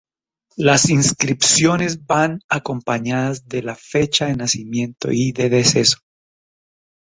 Las inscripciones van acompañadas de la fecha de nacimiento y de deceso.